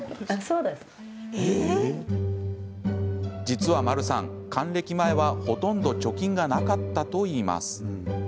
実は、まるさん還暦前はほとんど貯金がなかったといいます。